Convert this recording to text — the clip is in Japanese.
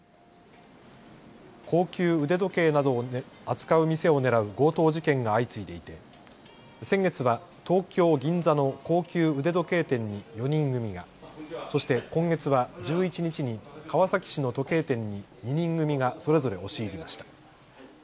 高級腕時計などを扱う店を狙う強盗事件が相次いでいて先月は東京銀座の高級腕時計店に４人組が、そして今月は１１日に川崎市の時計店に２人組がそれぞれ押し入りました。